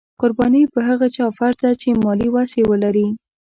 قرباني په هغه چا فرض ده چې مالي وس یې ولري.